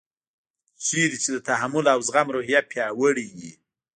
چېرته چې د تحمل او زغم روحیه پیاوړې وي.